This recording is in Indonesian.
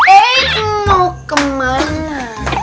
eh sun mau kemana